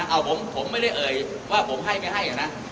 เอาผมไม่ได้เอ่ยว่าผมให้ไม่ให้นะ